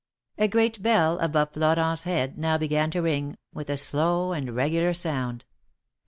A great bell above Florenfs head now began to ring, with a slow and regular sound.